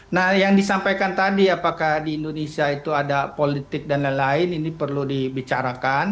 nah yang disampaikan tadi apakah di indonesia itu ada politik dan lain lain ini perlu dibicarakan